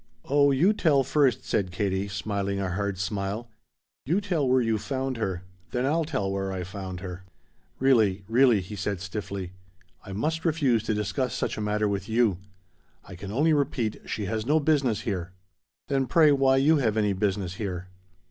"Oh you tell first," said Katie, smiling a hard smile. "You tell where you found her, then I'll tell where I found her." "Really really," he said stiffly, "I must refuse to discuss such a matter with you. I can only repeat she has no business here." "Then pray why have you any business here?"